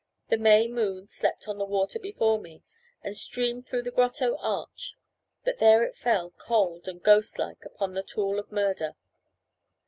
The May moon slept on the water before me, and streamed through the grotto arch; but there it fell cold and ghost like upon the tool of murder.